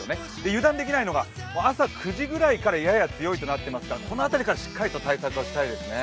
油断できないのが朝９時ぐらいからやや強いとなっていますからこの辺りからしっかりと対策をしたいですね。